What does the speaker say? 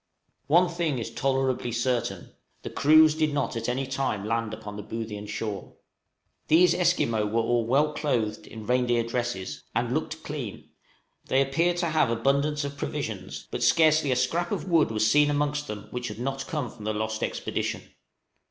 One thing is tolerably certain the crews did not at any time land upon the Boothian shore. These Esquimaux were all well clothed in reindeer dresses, and looked clean; they appeared to have abundance of provisions, but scarcely a scrap of wood was seen amongst them which had not come from the lost expedition.